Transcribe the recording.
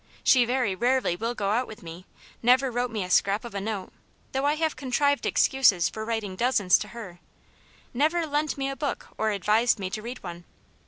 She very rarely will go out with me, never wrote me a scrap of a note, though I have contrived excuses for writing dozens to her, never lent me a book or advised me to read one.